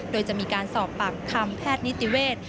โดยจะมีการสอบปากคำแพทย์นิติเวศ